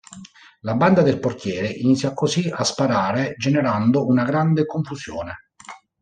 La banda del portiere inizia così a sparare generando una grande confusione.